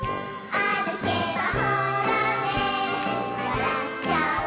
「あるけばほらねわらっちゃう」